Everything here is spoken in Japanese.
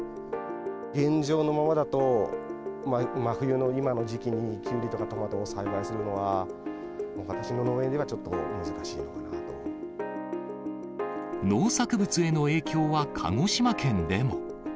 現状のままだと、真冬の今の時期にきゅうりとかトマトを栽培するのは、私の農園で農作物への影響は鹿児島県でも。